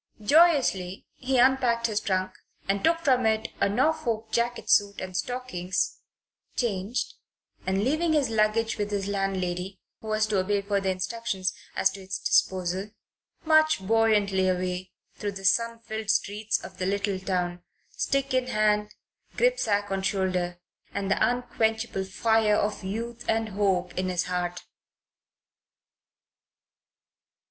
Joyously he unpacked his trunk and took from it a Norfolk jacket suit and stockings, changed, and, leaving his luggage with his landlady, who was to obey further instructions as to its disposal, marched buoyantly away through the sun filled streets of the little town, stick in hand, gripsack on shoulder, and the unquenchable fire of youth and hope in his heart.